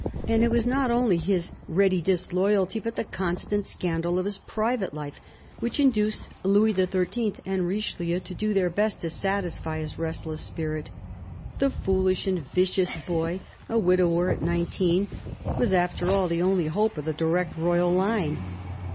And it was not only his ready disloyalty, but the constant scandal of his private life, which induced Louis XIIL and Richelieu to do their best to satisfy his restless spirit. The foolish and vicious boy, a widower at nineteen, was after all the only hope of the direct royal line.